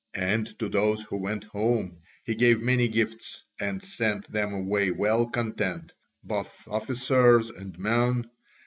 And to those who went home he gave many gifts and sent them away well content, both officers and men.